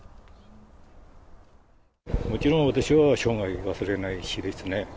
もちろん私は生涯忘れない日ですね。